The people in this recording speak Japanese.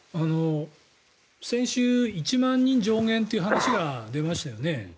先週１万人上限という話が出ましたよね。